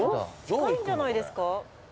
近いんじゃないですか？